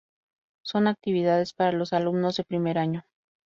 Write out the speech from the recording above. Son actividades para los alumnos de primer año.